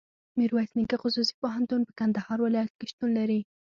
ميرویس نيکه خصوصي پوهنتون په کندهار ولایت کي شتون لري.